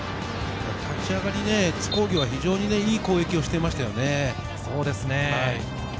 立ち上がり、津工業は非常にいい攻撃をしていましたね。